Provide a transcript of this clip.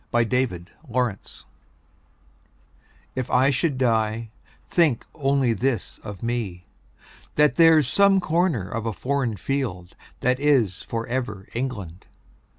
The Soldier If I should die, think only this of me: That there's some corner of a foreign field That is for ever England.